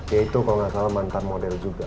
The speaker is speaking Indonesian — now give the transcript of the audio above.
yaitu kalo gak salah mantan model juga